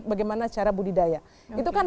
bagaimana cara budidaya itu kan